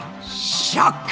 ショック！